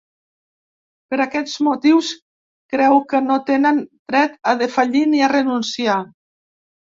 Per aquests motius, creu que no tenen dret a defallir ni a renunciar.